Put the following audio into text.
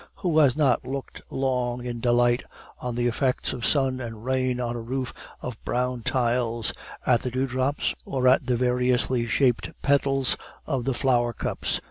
Who has not looked long in delight at the effects of sun and rain on a roof of brown tiles, at the dewdrops, or at the variously shaped petals of the flower cups?